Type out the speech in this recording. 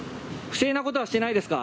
不正なことはしてないですか？